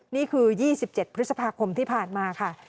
นี่คือ๒๗พฤษภาคมที่ผ่านมาค่ะ